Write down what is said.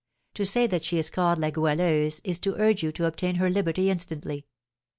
To say that she is called La Goualeuse is to urge you to obtain her liberty instantly.